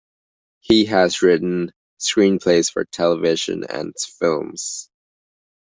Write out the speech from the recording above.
He has written screenplays for television and films.